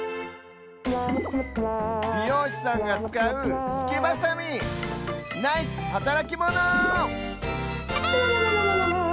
びようしさんがつかうすきバサミナイスはたらきモノ！